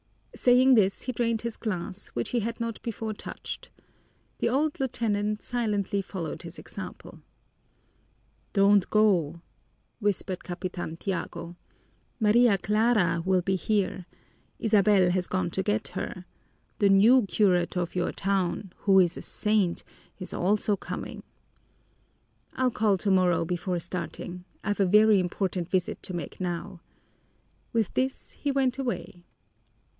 Saying this, he drained his glass, which he had not before touched. The old lieutenant silently followed his example. "Don't go!" whispered Capitan Tiago. "Maria Clara will be here. Isabel has gone to get her. The new curate of your town, who is a saint, is also coming." "I'll call tomorrow before starting. I've a very important visit to make now." With this he went away.